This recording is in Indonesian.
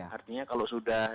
artinya kalau sudah